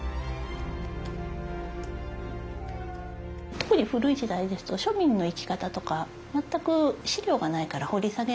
特に古い時代ですと庶民の生き方とか全く資料がないから掘り下げられない。